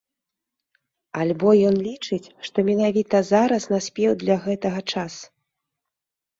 Альбо ён лічыць, што менавіта зараз наспеў для гэтага час.